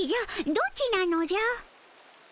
どっちなのじゃ？